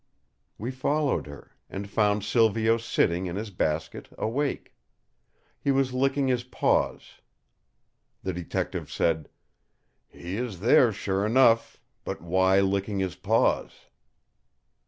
We followed her, and found Silvio sitting in his basket awake. He was licking his paws. The Detective said: "He is there sure enough; but why licking his paws?"